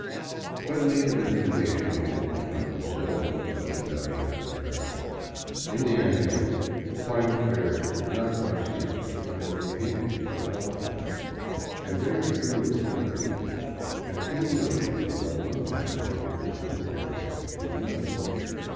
But native information on this point is seldom of much value to the traveler. In the Andes, climate varies not by season but by location or altitude, and very few of the country people have any notion why one town differs in temperature from another.